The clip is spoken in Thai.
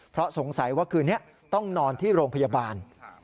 เพราะสงสัยว่าคืนนี้ต้องนอนที่โรงพยาบาล